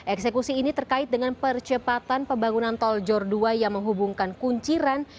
eksekusi ini terkait dengan percepatan pembangunan tol jor dua yang menghubungkan kunciran